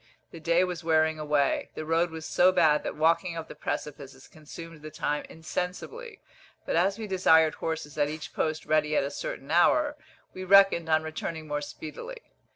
The day was wearing away. The road was so bad that walking up the precipices consumed the time insensibly; but as we desired horses at each post ready at a certain hour, we reckoned on returning more speedily.